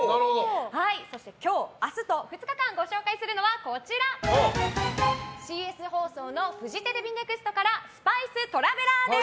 そして今日、明日と２日間ご紹介するのはＣＳ放送フジテレビＮＥＸＴから「スパイストラベラー」です！